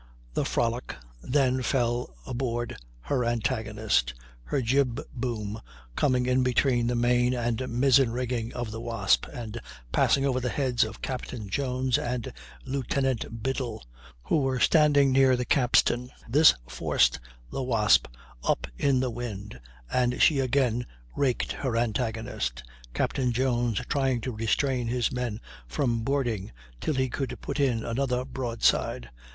The Frolic then fell aboard her antagonist, her jib boom coming in between the main and mizzen rigging of the Wasp and passing over the heads of Captain Jones and Lieutenant Biddle, who were standing near the capstan. This forced the Wasp up in the wind, and she again raked her antagonist, Captain Jones trying to restrain his men from boarding till he could put in another broadside.